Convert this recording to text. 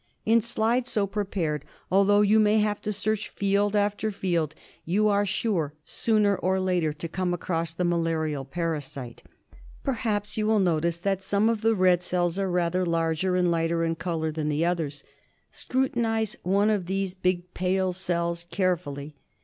In slides so prepared, although you may have to search field after field, you are sure sooner or later to come ~across the malaria parasite. Perhaps you will notice that some of the red cells are rather larger and lighter in colour than the others. Scrutinise one of these big pale cells carefully.